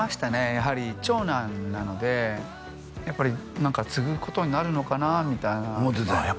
やはり長男なのでやっぱり何か継ぐことになるのかなみたいな思ってたんや？